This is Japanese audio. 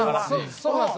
そうなんですよ。